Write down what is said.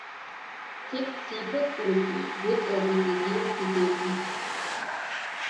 Текст сипатбирути вецӀал бекӀлидиубти дев диха